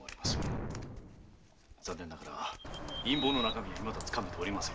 残念ながら陰謀の中身はつかめておりません。